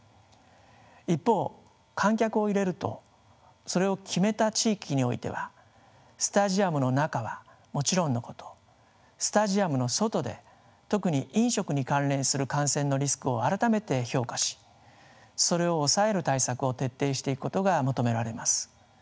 一方観客を入れるとそれを決めた地域においてはスタジアムの中はもちろんのことスタジアムの外で特に飲食に関連する感染のリスクを改めて評価しそれを抑える対策を徹底していくことが求められます。